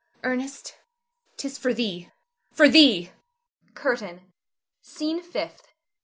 Ernest, 'tis for thee! for thee! CURTAIN. SCENE FIFTH.